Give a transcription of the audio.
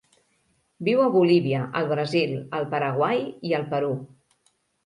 Viu a Bolívia, el Brasil, el Paraguai i el Perú.